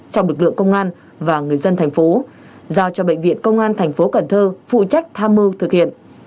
trong lực lượng công an và người dân thành phố giao cho bệnh viện công an thành phố cần thơ phụ trách tham mưu thực hiện